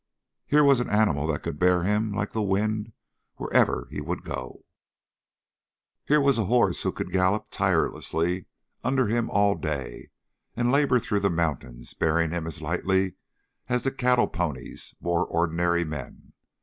Here was an animal that could bear him like the wind wherever he would go. Here was a horse who could gallop tirelessly under him all day and labor through the mountains, bearing him as lightly as the cattle ponies bore ordinary men.